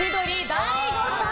大悟さん